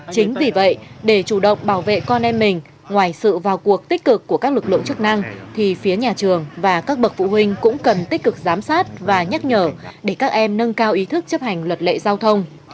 chính vì vậy để chủ động bảo vệ con em mình ngoài sự vào cuộc tích cực của các lực lượng chức năng thì phía nhà trường và các bậc phụ huynh cũng cần tích cực giám sát và nhắc nhở để các em nâng cao ý thức chấp hành luật lệ giao thông